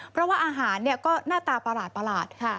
เพราะว่าอาหารก็หน้าตาประหลาดค่ะ